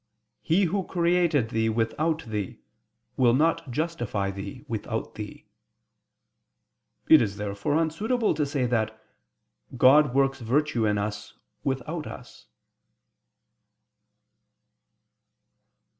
11]: "He who created thee without thee, will not justify thee without thee." It is therefore unsuitable to say that "God works virtue in us, without us."